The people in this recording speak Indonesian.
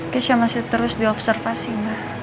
keisha masih terus diobservasi ma